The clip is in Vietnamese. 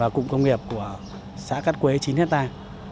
cụm công nghiệp của xã cát quế chín hectare